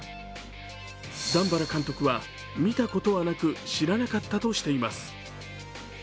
段原監督は、見たことはなく知らなかったとしています。